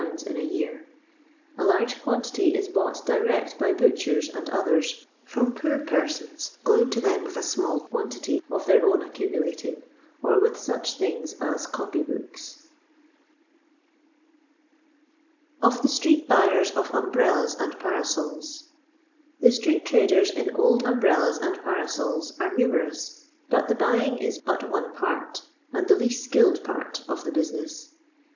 in a year. A laige quantity ie boi:(ght direct by butchert and othen from poor penona going to them with a small quantity of their own aoenmulating, or with such things ai copy booki. Or TBX Stbebt Butebs of Umbrellab AM) PiJUSOLS. I The street traders in old nmbrcllas and parasols are numerous, but the buying ia but one mtrt, and the least skilled part, of the business.